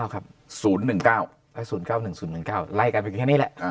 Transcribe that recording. ๐๑๙ครับ๐๑๙๐๙๑๐๑๙ไล่กันเป็นแค่นี้แหละ